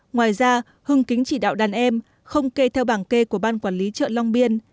ngoài ra hưng kính chỉ đạo đàn em không kê theo bảng kê của ban quản lý chợ long biên